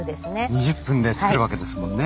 ２０分で作るわけですもんね。